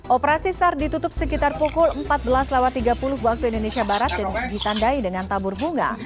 operasi sar ditutup sekitar pukul empat belas tiga puluh waktu indonesia barat dan ditandai dengan tabur bunga